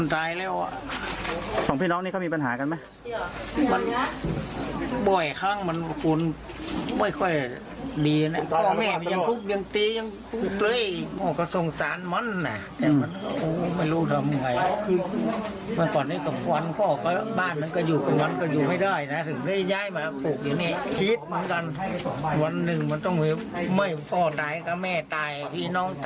ต้องเผ่ยไม่ได้ถึงได้ย้ายมาปลูกอยู่นี้คิดเหมือนกัน